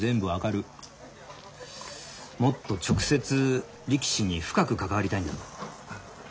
もっと直接力士に深く関わりたいんだろ。